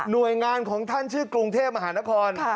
โดยงานของท่านชื่อกรุงเทพมหานคร